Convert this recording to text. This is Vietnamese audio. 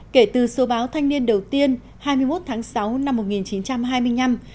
kể từ số báo thanh niên đầu tiên hai mươi một tháng sáu năm một nghìn chín trăm hai mươi năm